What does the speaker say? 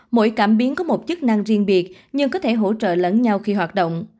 mỗi cảm biến có một chức năng riêng biệt nhưng có thể hỗ trợ lẫn nhau khi hoạt động